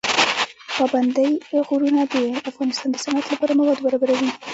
پابندی غرونه د افغانستان د صنعت لپاره مواد برابروي.